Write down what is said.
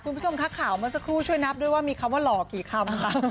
คุณผู้ชมคะข่าวเมื่อสักครู่ช่วยนับด้วยว่ามีคำว่าหล่อกี่คำค่ะ